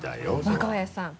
若林さん。